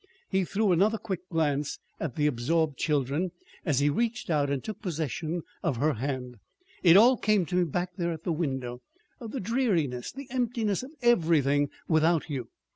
He threw another quick glance at the absorbed children as he reached out and took possession of her hand. "It all came to me, back there at the window the dreariness, the emptiness of everything, without you.